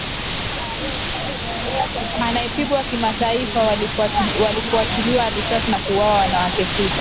anayepigwa kimataifa waliwafiatulia risasi na kuwaua wanawake sita